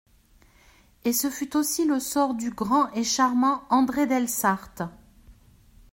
Et ce fut aussi le sort du grand et charmant André del Sarte.